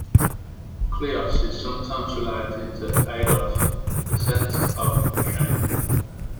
"Kleos" is sometimes related to "aidos" - the sense of shame.